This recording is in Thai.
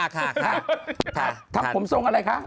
ขับผมส่งอะไรคะ